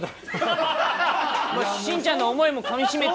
シンちゃんの思いもかみしめて。